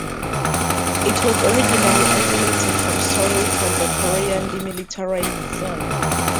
It was originally isolated from soil from the Korean Demilitarized Zone.